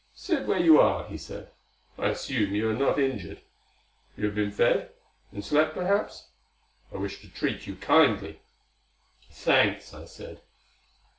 "Sit where you are," he said. "I assume you are not injured. You have been fed? And slept, perhaps! I wish to treat you kindly." "Thanks," I said.